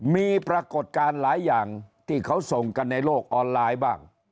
มีปรากฏการณ์หลายอย่างที่เขาส่งกันในโลกออนไลน์บ้าง